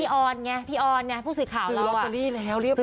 พี่ออนไงพี่ออนไงพวกสื่อข่าวเราอ่ะคือล็อตเตอรี่แล้วเรียบร้อย